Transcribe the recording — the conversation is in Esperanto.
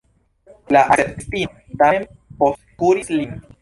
La akceptistino tamen postkuris lin.